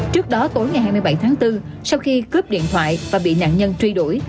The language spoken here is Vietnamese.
trước đó tối ngày hai mươi bảy tháng bốn sau khi cướp điện thoại và bị nạn nhân truy đuổi